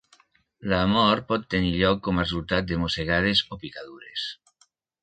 La mort pot tenir lloc com a resultat de mossegades o picadures.